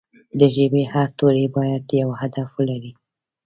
د ژبې هر توری باید یو هدف ولري.